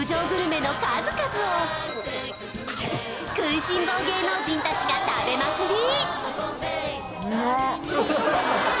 数々を食いしん坊芸能人たちが食べまくり！